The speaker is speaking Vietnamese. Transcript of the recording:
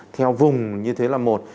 theo vùng như thế là một